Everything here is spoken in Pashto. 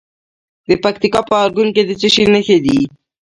د پکتیکا په ارګون کې د څه شي نښې دي؟